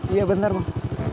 iya bener bang